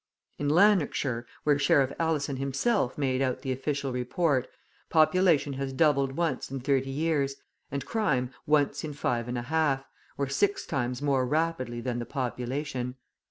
In Lanarkshire, where Sheriff Alison himself made out the official report, population has doubled once in thirty years, and crime once in five and a half, or six times more rapidly than the population.